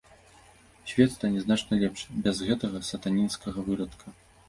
Свет стане значна лепш без гэтага сатанінскага вырадка.